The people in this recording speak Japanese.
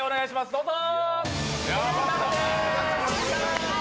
どうぞ。